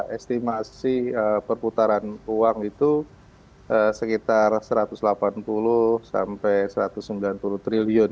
estimasi perputaran uang itu sekitar satu ratus delapan puluh sampai rp satu ratus sembilan puluh triliun